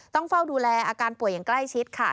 ต้องเฝ้าดูแลอาการป่วยอย่างใกล้ชิดค่ะ